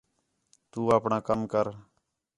تُو اپݨا کم کر